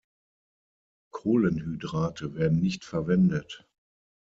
Kohlenhydrate werden nicht verwendet.